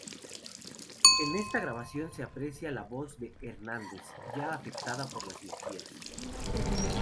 En esta grabación se aprecia la voz de Hernández, ya afectada por las cirugías.